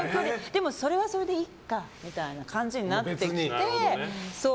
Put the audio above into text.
でもそれはそれでいっかみたいな感じになってきて。